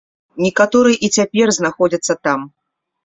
Некаторыя і цяпер знаходзяцца там.